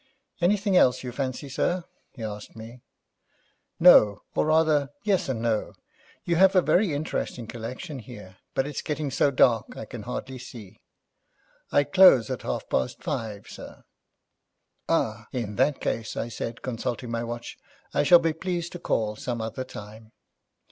'Anything else you fancy, sir?' he asked me. 'No, or rather yes and no. You have a very interesting collection here, but it's getting so dark I can hardly see.' 'I close at half past five, sir.' 'Ah, in that case,' I said, consulting my watch, 'I shall be pleased to call some other time.'